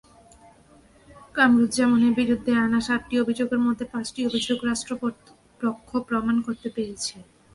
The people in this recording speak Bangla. কামারুজ্জামানের বিরুদ্ধে আনা সাতটি অভিযোগের মধ্যে পাঁচটি অভিযোগ রাষ্ট্রপক্ষ প্রমাণ করতে পেরেছে।